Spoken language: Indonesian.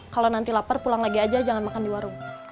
kalau nanti lapar pulang lagi aja jangan makan di warung